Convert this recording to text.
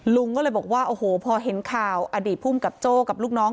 ลุงก็เลยบอกว่าโอ้โหพอเห็นข่าวอดีตภูมิกับโจ้กับลูกน้อง